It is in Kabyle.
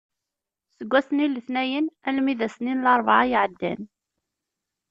Seg wass-nni n letnayen armi d ass-nni n larebɛa i iɛeddan.